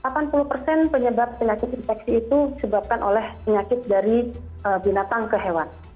delapan puluh persen penyebab penyakit infeksi itu disebabkan oleh penyakit dari binatang ke hewan